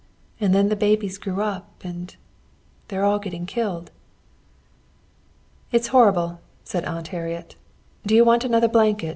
And then the babies grew up, and they're all getting killed." "It's horrible," said Aunt Harriet. "Do you want another blanket?